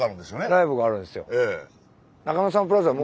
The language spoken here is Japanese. ライブがあるんですよ。